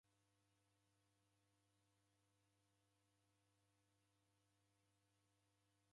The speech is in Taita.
Ngelo rimu nalemwa ni kuruda mruke.